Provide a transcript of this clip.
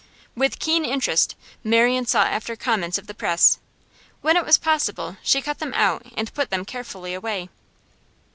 With keen interest Marian sought after comments of the press; when it was possible she cut them out and put them carefully away.